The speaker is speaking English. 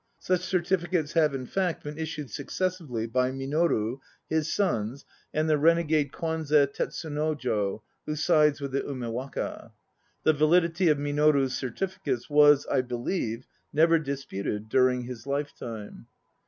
Such certificates have, in fact, been issued successively by Minoru, his sons and the "renegade" Kwanze Tetsunojo, who sides with the Umewaka. The validity of Minoru's certificates was, I believe, never disputed during his lifetime.